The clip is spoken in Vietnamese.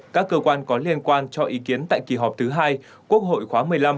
các cơ quan có liên quan cho ý kiến tại kỳ họp thứ hai quốc hội khóa một mươi năm